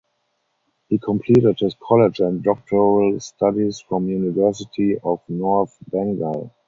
He completed his college and doctoral studies from University of North Bengal.